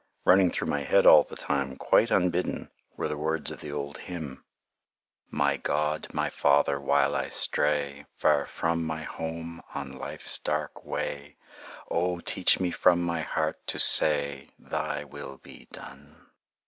Running through my head all the time, quite unbidden, were the words of the old hymn: "My God, my Father, while I stray Far from my home on life's dark way, Oh, teach me from my heart to say, Thy will be done!"